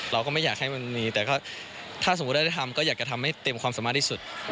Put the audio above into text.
เราก็ไม่อยากให้มันมีแต่ถ้าสมมุติเราได้ทำก็อยากจะทำให้เต็มความสามารถที่สุด